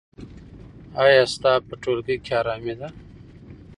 ایا ستا په ټولګي کې ارامي ده؟